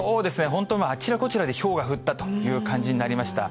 本当、あちらこちらでひょうが降ったという感じになりました。